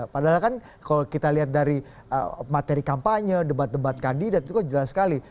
padahal kan kalau kita lihat dari materi kampanye debat debat kandidat itu kan jelas sekali